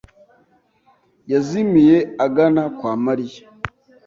yazimiye agana kwa Mariya.